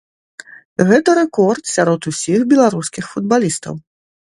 Гэта рэкорд сярод усіх беларускіх футбалістаў.